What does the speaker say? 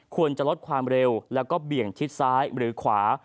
ควรจะลดความเร็วแล้วก็เบี่ยงชิดซ้ายหรือขวา